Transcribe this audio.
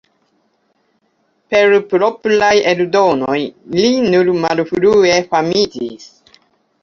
Per propraj eldonoj li nur malfrue famiĝis.